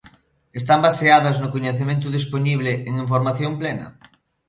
¿Están baseadas no coñecemento dispoñible, en información plena?